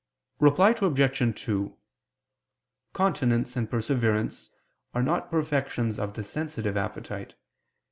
Reply Obj. 2: Continency and perseverance are not perfections of the sensitive appetite.